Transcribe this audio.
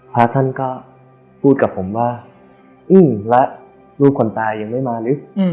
พระท่านก็พูดกับผมว่าอื้มแล้วรูปคนตายังไม่มารึ